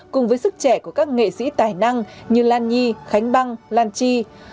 cùng với sức trẻ của các nghệ sĩ tài năng như lan nhi khánh băng lan chi